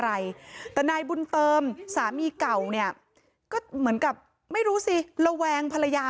อะไรแต่นายบุญเติมสามีเก่าเนี่ยก็เหมือนกับไม่รู้สิระแวงภรรยา